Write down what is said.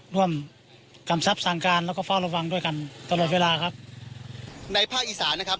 กำชับสั่งการแล้วก็เฝ้าระวังด้วยกันตลอดเวลาครับในภาคอีสานนะครับ